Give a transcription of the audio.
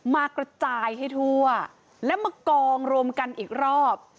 มากระจายให้ทั่วและมากองรวมกันอีกรอบ